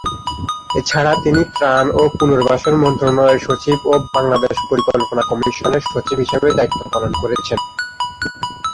এছাড়া তিনি ত্রাণ ও পুনর্বাসন মন্ত্রণালয়ের সচিব ও বাংলাদেশ পরিকল্পনা কমিশনের সচিব হিসেবে দায়িত্ব পালন করেছেন।